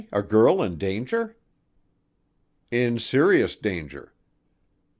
A girl in danger?" "In serious danger.